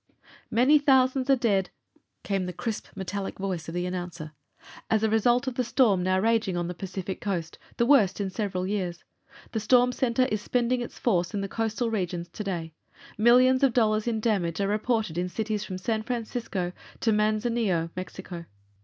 "Many thousands are dead," came the crisp, metallic voice of the announcer, "as a result of the storm now raging on the Pacific coast, the worst in several years. The storm center is spending its force on the coastal regions to day. Millions of dollars in damage are reported in cities from San Francisco to Manzanillo, Mexico.